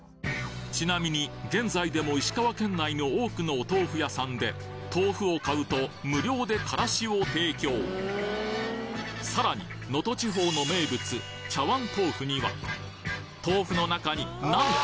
ちなみに現在でも石川県内の多くのお豆腐屋さんで豆腐を買うと無料でからしを提供さらに能登地方の名物豆腐の中になんと！